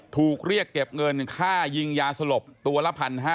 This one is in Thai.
ถูกเรียกเก็บเงินค่ายิงยาสลบตัวละ๑๕๐๐